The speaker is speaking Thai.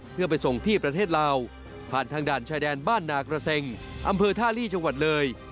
เพื่อไปส่งที่ประเทศลาวผ่านทางด่านชายแดนบ้านนากระเซ็งอำเภอท่าลีจังหวัดเลย